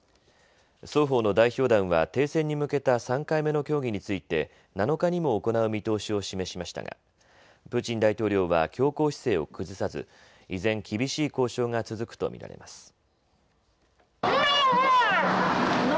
双方の代表団は停戦に向けた３回目の協議について７日にも行う見通しを示しましたがプーチン大統領は強硬姿勢を崩さず依然、厳しい交渉が続くと見られます。